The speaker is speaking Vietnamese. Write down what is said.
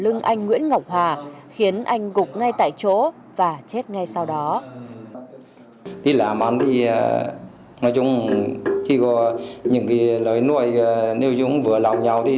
lưng anh nguyễn ngọc hòa khiến anh gục ngay tại chỗ và chết ngay sau đó